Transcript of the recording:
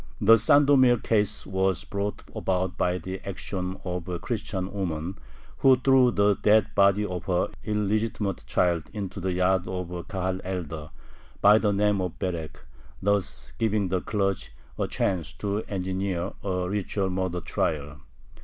The Sandomir case was brought about by the action of a Christian woman who threw the dead body of her illegitimate child into the yard of a Kahal elder, by the name of Berek, thus giving the clergy a chance to engineer a ritual murder trial.